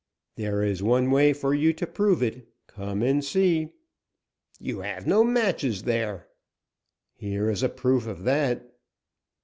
"There is one way for you to prove it, come and see." "You have no matches there." "Here is proof of that."